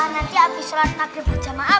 nanti abis sholat taqlif berjamaah